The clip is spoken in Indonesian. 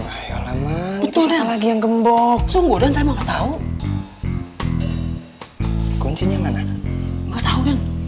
ayolah memang itu lagi yang gembok sungguh dan saya mau tahu kuncinya mana enggak tahu